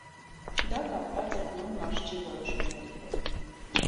Դա կապված էր նոր մարզչի որոշումների հետ։